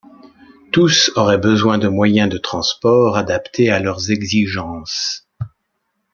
Tous auraient besoin de moyens de transport adaptés à leurs exigences.